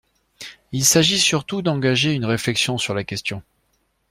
Il s’agit surtout d’engager une réflexion sur la question.